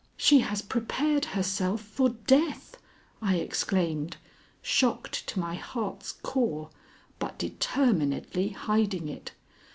"She has prepared herself for death!" I exclaimed, shocked to my heart's core, but determinedly hiding it.